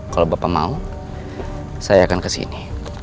kalau bapak mau saya akan kesini